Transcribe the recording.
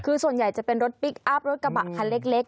คือส่วนใหญ่จะเป็นรถพลิกอัพรถกระบะคันเล็ก